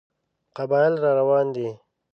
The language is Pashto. قبایل را روان دي.